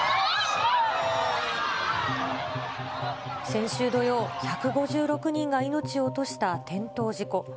先週土曜、１５６人が命を落とした転倒事故。